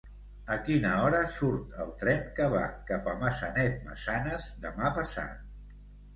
A quina hora surt el tren que va cap a Maçanet-Massanes demà passat?